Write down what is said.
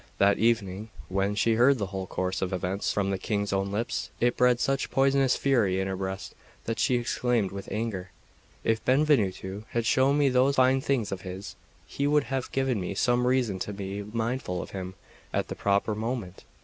That evening, when she heard the whole course of events from the King's own lips, it bred such poisonous fury in her breast that she exclaimed with anger: "If Benvenuto had shown me those fine things of his, he would have given me some reason to be mindful of him at the proper moment."